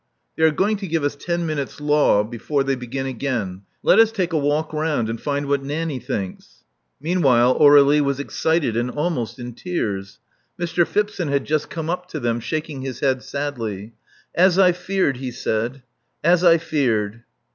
"They are going to give us ten minutes law before tliey begin again. Let us take a walk round, and find what Nanny thinks." Meanwhile Aur^lie was excited and almost in tears. Mr. Phipson had just come up to them, shaking his head sadly. "As I feared," he said. As I feared."